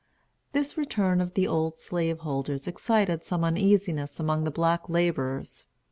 This return of the old slaveholders excited some uneasiness among the black laborers.